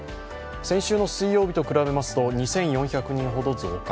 先週の水曜日と比べますと２４００人ほど増加。